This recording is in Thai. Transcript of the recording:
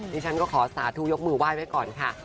ดิฉันก็ขอสาธุยกมือไหว้ไว้ก่อนค่ะ